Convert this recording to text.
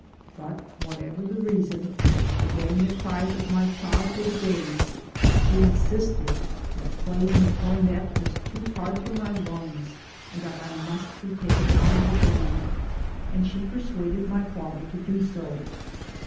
But whatever the reason, forgetting the cries of my childhood days, she insisted that playing the cornet was too hard for my lungs and that I must be taken out of the band, and she persuaded my father to do so.